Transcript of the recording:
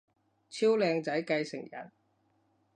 超靚仔繼承人